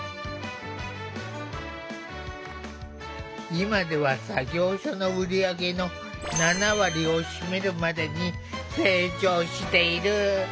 今では作業所の売り上げの７割を占めるまでに成長している。